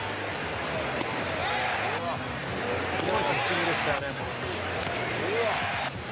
すごいピッチングでしたよね。